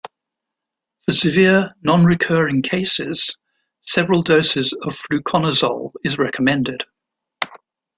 For severe nonrecurring cases, several doses of fluconazole is recommended.